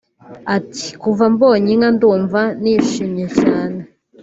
Ati “kuva mbonye inka ndumva nishimye cyane